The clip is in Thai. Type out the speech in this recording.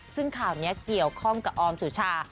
ซึ่งข่าวนี้เกี่ยวข้องกับออมสุชา